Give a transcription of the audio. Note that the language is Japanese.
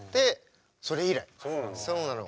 そうなの？